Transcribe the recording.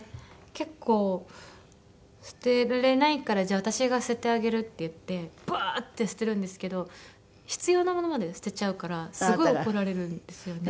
結構捨てられないから「じゃあ私が捨ててあげる」って言ってバーッて捨てるんですけど必要なものまで捨てちゃうからすごい怒られるんですよね。